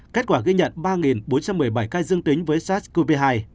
kết quả ghi nhận ba bốn trăm một mươi bảy ca dương tính với sars cov hai